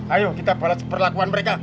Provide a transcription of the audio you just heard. ayo kita balas perlakuan mereka